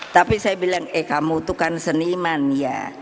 tapi saya bilang eh kamu itu kan seniman ya